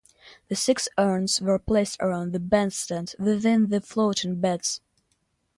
The six urns were placed around the Bandstand within the 'floating beds'.